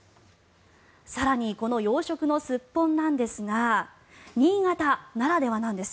更にこの養殖のスッポンなんですが新潟ならではなんです